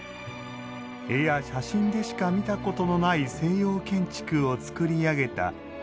絵や写真でしか見たことのない西洋建築を造り上げた宮大工たち。